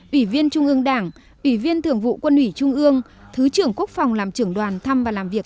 ủy viên trung ương đảng ủy viên thường vụ quân ủy trung ương thứ trưởng quốc phòng làm trưởng đoàn thăm và làm việc